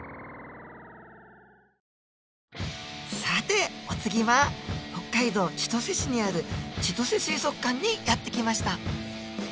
さてお次は北海道千歳市にある千歳水族館にやって来ました。